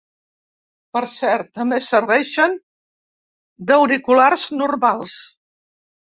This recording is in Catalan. Per cert, també serveixen d’auriculars ‘normals’.